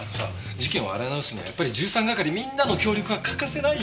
事件を洗い直すにはやっぱり１３係みんなの協力が欠かせないよね？